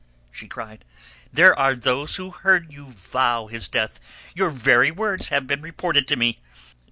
she cried. "There are those who heard you vow his death. Your very words have been reported to me.